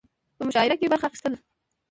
په مشاعره کې برخه اخستل